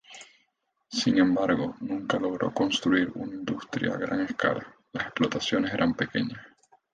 Sin embargo, nunca logró construir una industria a gran escala; las explotaciones eran pequeñas.